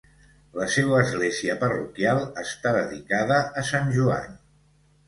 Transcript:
La seua església parroquial està dedicada a Sant Joan.